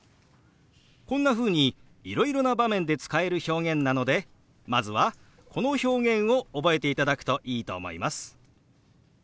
こんなふうにいろいろな場面で使える表現なのでまずはこの表現を覚えていただくといいと思います。